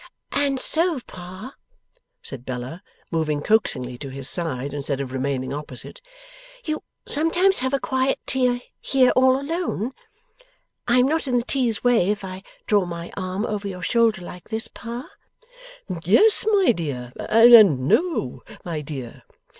'And so, Pa,' said Bella, moving coaxingly to his side instead of remaining opposite, 'you sometimes have a quiet tea here all alone? I am not in the tea's way, if I draw my arm over your shoulder like this, Pa?' 'Yes, my dear, and no, my dear.